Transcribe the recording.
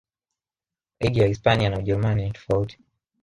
ligi ya hispania na ujerumani ni tofauti